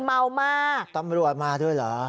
ดำรวจมาเรียก